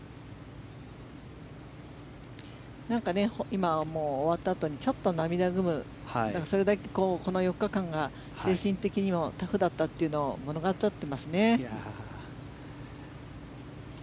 今、終わったあとにちょっと涙ぐむそれだけこの４日間が精神的にもタフだったというのが物語っていますね。